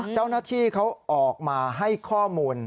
เจ้าหน้าที่เขาออกมาให้ข้อมูล